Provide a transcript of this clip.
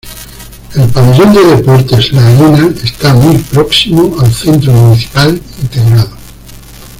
El pabellón de Deportes La Arena está muy próximo al Centro Municipal Integrado.